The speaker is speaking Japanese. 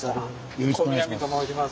よろしくお願いします。